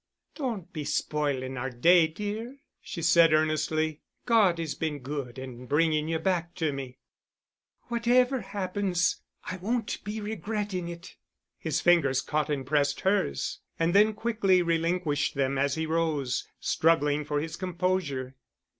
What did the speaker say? "Don't be spoiling our day, dear," she said earnestly. "God has been good in bringing you back to me. Whatever happens I won't be regretting it." His fingers caught and pressed hers and then quickly relinquished them as he rose, struggling for his composure.